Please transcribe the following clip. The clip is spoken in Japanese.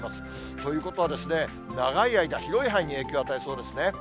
ということは、長い間、広い範囲に影響与えそうですね。